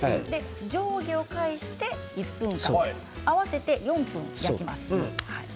上下を返して、１分間合わせて４分焼きます。